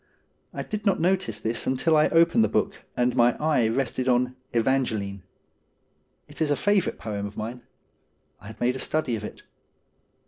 I did not notice this RUTH 153 until I opened the book and my eye rested on ' Evangeline.' It was a favourite poem of mine. I had made a study of it.